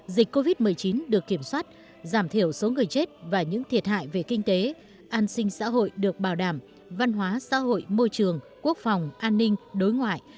dịch covid một mươi chín được kiểm soát giảm thiểu số người chết và những thiệt hại về kinh tế an sinh xã hội được bảo đảm văn hóa xã hội môi trường quốc phòng an ninh đối ngoại